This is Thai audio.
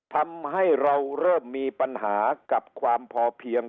ทำให้เราเริ่มมีปัญหากับความพอเพียง